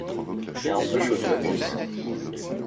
T'es un peu chaude ma puce.